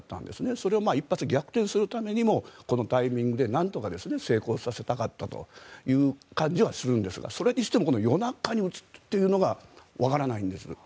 それを一発逆転するためにもこのタイミングでなんとか成功させたかったという感じはするんですがそれにしても夜中に打つというのがわからないんです。